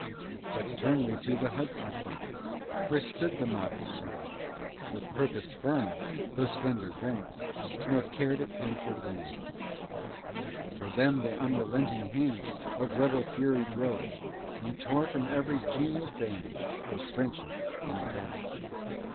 But turn we to the Hudson's banks, Where stood the modest train, With purpose firm, tho' slender ranks, Nor car'd a pin for Wayne. For them the unrelenting hand Of rebel fury drove, And tore from ev'ry genial band Of friendship and of love.